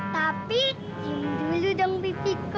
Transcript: tapi jalan dulu dong pipiku